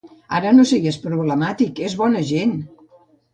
Ara no siguis problemàtic, és bona gent!